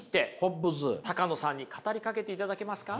高野さんに語りかけていただけますか？